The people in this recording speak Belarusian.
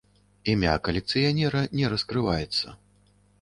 Імя калекцыянера не раскрываецца.